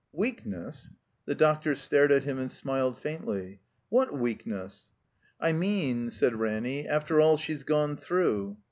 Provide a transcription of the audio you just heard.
''Weakness?" The doctor stared at him and smiled faintly. "What weakness?" ''I mean," said Ranny, '"after all she's gone through."